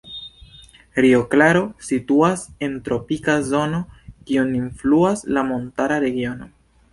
Rio Claro situas en tropika zono, kiun influas la montara regiono.